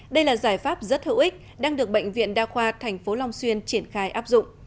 đây là giải pháp rất hữu ích đang được bệnh viện đa khoa tp long xuyên triển khai áp dụng